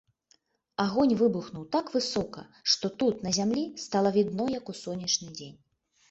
Агонь выбухнуў так высока, што тут, на зямлі, стала відно, як у сонечны дзень.